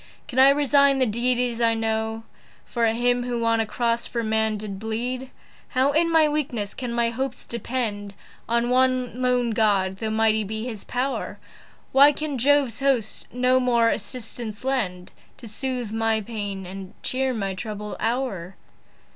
Can I resign the deities I know For him who on a cross for man did bleed? How in my weakness can my hopes depend On one lone God, though mighty be his pow'r? Why can Jove's host no more assistance lend, To soothe my pains, and cheer my troubled hour?